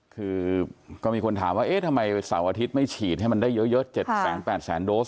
คือก็มีคนถามว่าเอ๊ะทำไมเสาร์อาทิตย์ไม่ฉีดให้มันได้เยอะ๗๘๐๐๐โดส